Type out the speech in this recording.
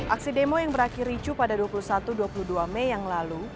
aksi demo yang berakhir ricu pada dua puluh satu dua puluh dua mei yang lalu